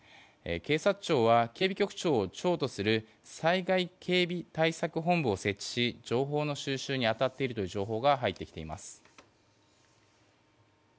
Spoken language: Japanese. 警察庁は警備局長を長とする災害警備対策本部を設置し情報の収集にあたっているという情報が入ってきています。